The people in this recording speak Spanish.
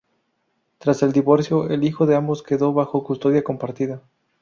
Tras el divorcio, el hijo de ambos quedó bajo custodia compartida.